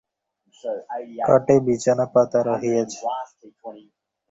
খাটে বিছানা পাতা রহিয়াছে।